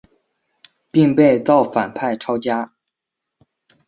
并被造反派抄家。